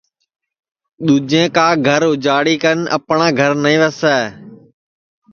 دُؔوجیں کا گھر اُجاڑی کن اپٹؔاں گھر نائیں وسے